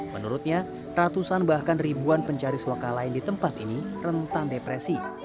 menurutnya ratusan bahkan ribuan pencari suaka lain di tempat ini rentan depresi